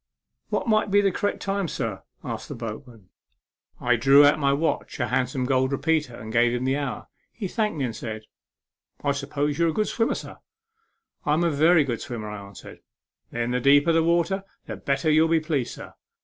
" What might be the correct time, sir ?" asked the boatman. A MEMORABLE SWIM. 67 I drew out my watch, a handsome gold repeater, and gave him the hour. He thanked me, and said, "I suppose you're a good swimmer, sir ?"" I am a very good swimmer," I answered. " Then the deeper the water, the better you'll be pleased, sir.